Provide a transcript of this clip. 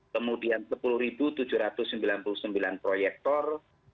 kemudian sepuluh tujuh ratus sembilan puluh sembilan proyektor